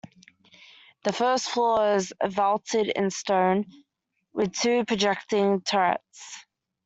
The first floor is vaulted in stone, with two projecting turrets.